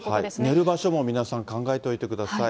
寝る場所も皆さん、考えておいてください。